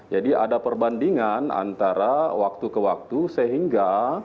jadi ada perbandingan antara waktu ke waktu sehingga